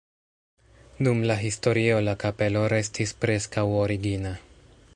Dum la historio la kapelo restis preskaŭ origina.